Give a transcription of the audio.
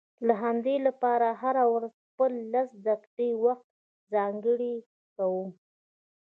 د همدې لپاره هره ورځ خپل لس دقيقې وخت ځانګړی کوم.